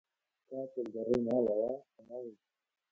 کابرایەکی بێگانە هاتە لام و داوای پارەی لێ کردم.